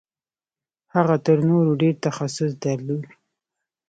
هغه تر نورو ډېر تخصص درلود.